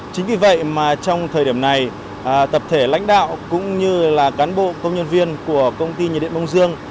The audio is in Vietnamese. chính vì vậy mà trong thời điểm này tập thể lãnh đạo cũng như là cán bộ công nhân viên của công ty nhiệt điện mông dương